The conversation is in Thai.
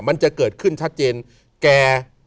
มันจะเกิดขึ้นชัดเจนแก่